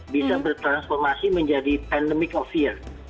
bisa bertransformasi menjadi pandemic of fear